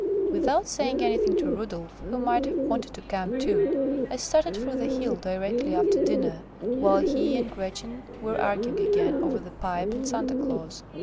Without saying anything to Rudolf, who might have wanted to come too, I started for the hill directly after dinner, while he and Gretchen were arguing again over the pipe and Santa Claus.